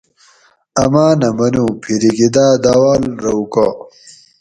"امانہ منو ""پِھیریکی داۤ داۤواۤل رہ اُوکا"